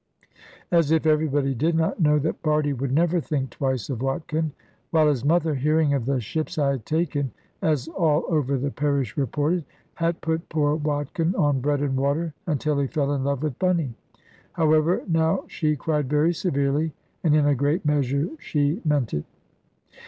As if everybody did not know that Bardie would never think twice of Watkin; while his mother, hearing of the ships I had taken (as all over the parish reported), had put poor Watkin on bread and water, until he fell in love with Bunny! However, now she cried very severely, and in a great measure she meant it.